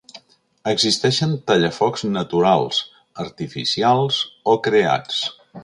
Existeixen tallafocs naturals, artificials o creats.